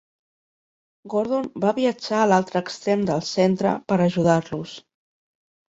Gordon va viatjar a l"altre extrem del centre per ajudar-los.